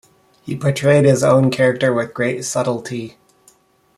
He portrayed his own character with great subtlety.